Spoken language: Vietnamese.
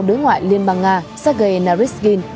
đối ngoại liên bang nga sergei naryshkin